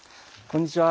こんにちは。